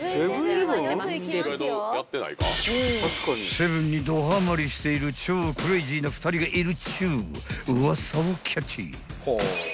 ［セブンにどハマりしている超クレージーな２人がいるっちゅうウワサをキャッチ］